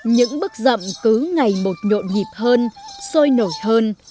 những bức rậm cứ ngày một nhộn nhịp hơn sôi nổi hơn